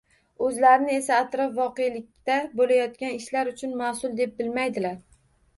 O‘zlarini esa atrof-voqelikda bo‘layotgan ishlar uchun mas’ul deb bilmaydilar.